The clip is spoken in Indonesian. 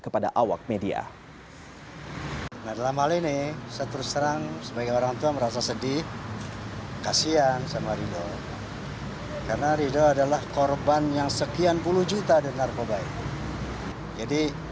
kepada awak media